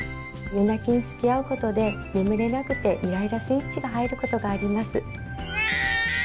夜泣きにつきあうことで眠れなくてイライラスイッチが入ることがあります。